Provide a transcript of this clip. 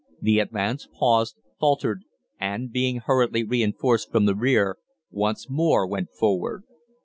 The advance paused, faltered and, being hurriedly reinforced from the rear, once more went forward.